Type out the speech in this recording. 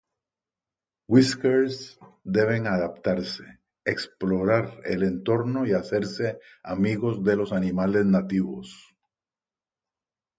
Whiskers deben adaptarse, explorar el entorno y hacerse amigos de los animales nativos.